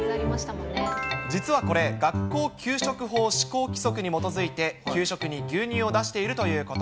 実はこれ、学校給食法施行規則に基づいて、給食に牛乳を出しているということ。